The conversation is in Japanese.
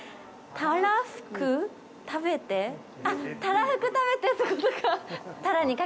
たらふく食べてってことか。